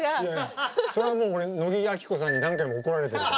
それはもう俺野木亜紀子さんに何回も怒られてる。